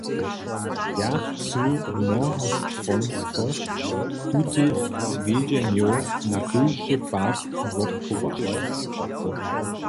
Ja chcu mnohostronskosć tutych swjedźenjow na kóždy pad wobchować.